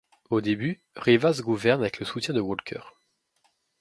Au début Rivas gouverne avec le soutien de Walker.